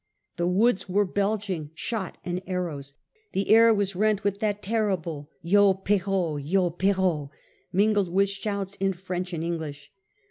The woods were belching shot and arrows, the air was rent with that terrible Y6 pehd ! Yd pehd ! mingled with shouts in French and English.